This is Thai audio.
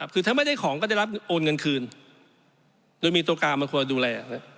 คือถ้าไม่ได้ของก็จะรับโอนเงินคืนโดยมีตัวกลางมาคอยดูแล